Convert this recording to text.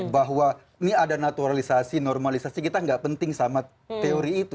bahwa ini ada naturalisasi normalisasi kita nggak penting sama teori itu